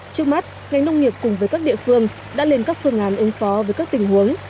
trước mắt ngành nông nghiệp cùng với các địa phương đã lên các phương án ứng phó với các tình huống